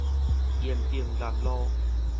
延平南路